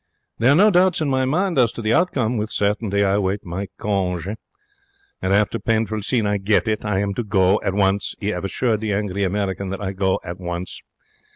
There are no doubts in my mind as to the outcome. With certainty I await my conge. And after painful scene I get it. I am to go. At once. He 'ave assured the angry American woman that I go at once.